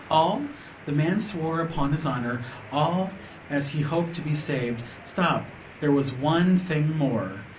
"All," the man swore upon his honor; all as he hoped to be saved. "Stop, there was one thing more.